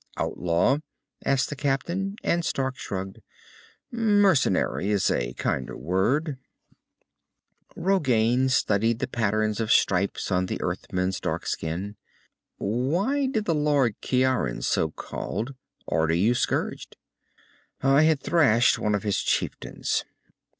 "Outlaw?" asked the captain, and Stark shrugged. "Mercenary is a kinder word." Rogain studied the pattern of stripes on the Earthman's dark skin. "Why did the Lord Ciaran, so called, order you scourged?" "I had thrashed one of his chieftains."